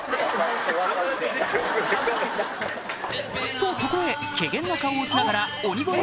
とそこへけげんな顔をしながらが合流あ！